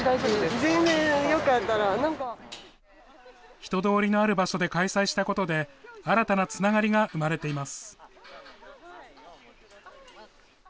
人通りのある場所で開催したことで、新たなつながりが生まれています。